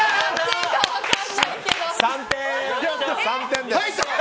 ３点！